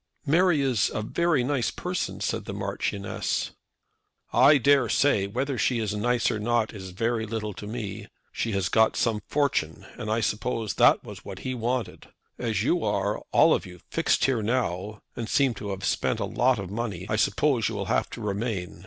"Mary is a very nice young person," said the Marchioness. "I dare say. Whether she is nice or not is very little to me. She has got some fortune, and I suppose that was what he wanted. As you are all of you fixed here now, and seem to have spent a lot of money, I suppose you will have to remain.